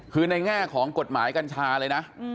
คือในแง่ของกฎหมายกัญชาเลยนะ